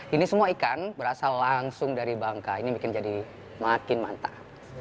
ini semua ikan berasal langsung dari bangka ini bikin jadi makin mantap